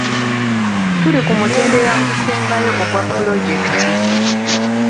Tuli ku mutendera ogusembayo ogwa pulojekiti.